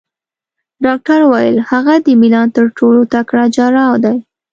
ډاکټر وویل: هغه د میلان تر ټولو تکړه جراح دی.